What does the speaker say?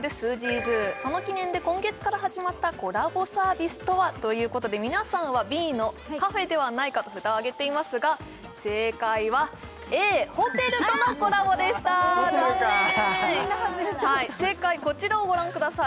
’ｓＺｏｏその記念で今月から始まったコラボサービスとは？ということで皆さんはＢのカフェではないかと札を上げていますが正解はＡホテルとのコラボでした残念ホテルかみんなハズレちゃった正解こちらをご覧ください